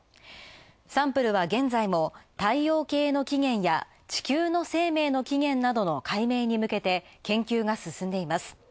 サンプルは現在も太陽系の起源や地球の生命の起源などの解明に向けて、研究が進んでいます。